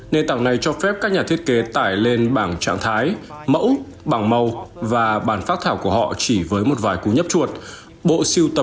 nền tảng này cho phép các nhà thiết kế tải lên bảng trạng thái mẫu bảng màu và bản phát thảo của họ chỉ với một vài cú nhấp chuột